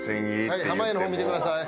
はい濱家の方見てください。